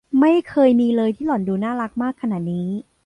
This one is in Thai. ไม่เคยมีเลยที่หล่อนดูน่ารักมากขนาดนี้